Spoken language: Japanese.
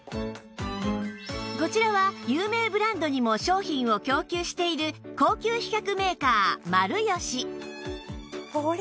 こちらは有名ブランドにも商品を供給している高級皮革メーカーマルヨシ